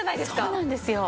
そうなんですよ。